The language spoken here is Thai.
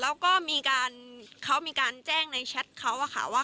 แล้วก็มีการเขามีการแจ้งในแชทเขาอะค่ะว่า